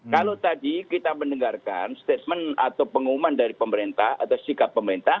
kalau tadi kita mendengarkan statement atau pengumuman dari pemerintah atau sikap pemerintah